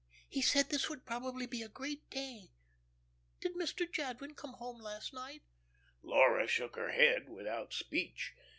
He said this would probably be a great day. Did Mr. Jadwin come home last night?" Laura shook her head, without speech.